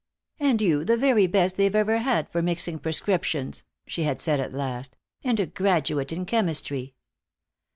"And you the very best they've ever had for mixing prescriptions!" she had said at last. "And a graduate in chemistry!"